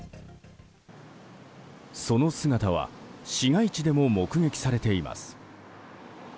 その姿は市街地でも目撃されています。